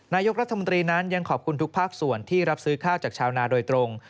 นายกรัฐมนตรีนั้นยังขอบคุณทุกภาคส่วนที่รับซื้อข้าวจากชาวนาโดยตรง